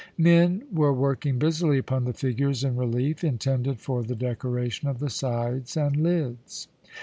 Men were working busily upon the figures in relief intended for the decoration of the sides and lids.